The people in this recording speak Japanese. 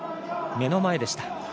目の前でした。